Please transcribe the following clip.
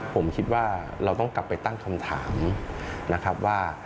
ผมคิดว่าเราต้องกลับไปตั้งคำถามนะครับว่า